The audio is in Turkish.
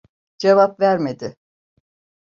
Cevap vermedi…